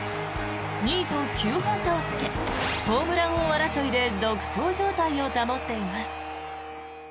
２位と９本差をつけホームラン王争いで独走状態を保っています。